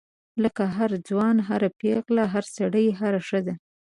لکه هر ځوان هر پیغله هر سړی هره ښځه.